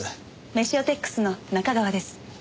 メシオテックスの中川です。